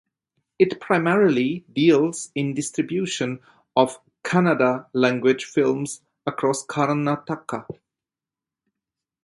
It primarily deals in distribution of Kannada Language films across Karnataka.